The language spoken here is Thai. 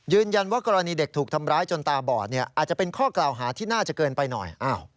กรณีเด็กถูกทำร้ายจนตาบอดอาจจะเป็นข้อกล่าวหาที่น่าจะเกินไปหน่อย